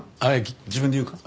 自分で言うか？